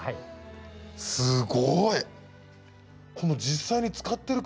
すごい！